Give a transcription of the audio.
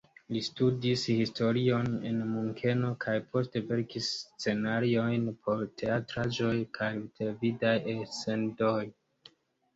Li studis historion en Munkeno kaj poste verkis scenarojn por teatraĵoj kaj televidaj elsendoj.